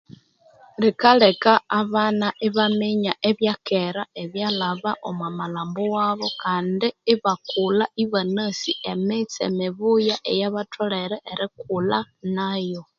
Likaleka abana ibaminya ebyakera ebyalhabo omo malhambo wabu kandi ibakulha ibanasi emitse emibuya eyibatholere ibakulha nayo